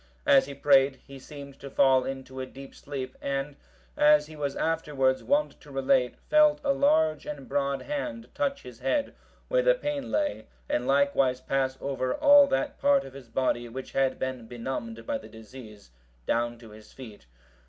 As he prayed, he seemed to fall into a deep sleep, and, as he was afterwards wont to relate, felt a large and broad hand touch his head, where the pain lay, and likewise pass over all that part of his body which had been benumbed by the disease, down to his feet.